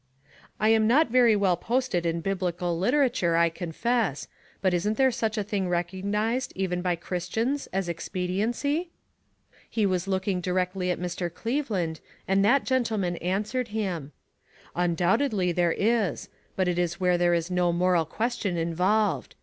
"I am not very well posted in biblical literature, I confess, but isn't there such a thing recognized, even by Christians, as ex pediency?" He was looking directly at Mr. Cleveland, and that gentleman answered him : "Undoubtedly, there is; but it is where there is no moral question involved.